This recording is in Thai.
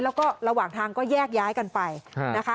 แล้วก็ระหว่างทางก็แยกย้ายกันไปนะคะ